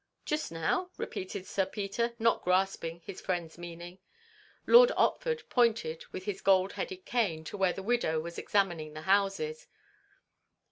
"Just now?" repeated Sir Peter, not grasping his friend's meaning. Lord Otford pointed with his gold headed cane to where the widow was examining the houses.